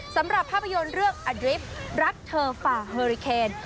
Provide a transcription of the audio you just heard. สำหรับภาพยนตร์เรื่องอดริฟต์รักเธอฝ่าเฮอริเคน